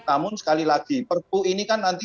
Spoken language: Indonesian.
namun sekali lagi perpu ini kan nanti